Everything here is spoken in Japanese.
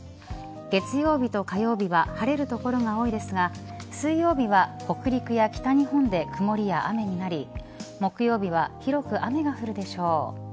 月曜日と火曜日は晴れる所が多いですが水曜日は北陸や北日本で曇りや雨になり木曜日は広く雨が降るでしょう。